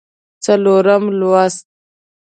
څلورم لوست